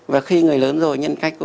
và khi người lớn rồi nhân cách cũng